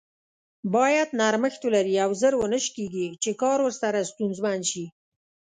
بايد نرمښت ولري او زر و نه شکیږي چې کار ورسره ستونزمن شي.